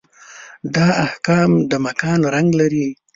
دا احکام د مکان رنګ لري.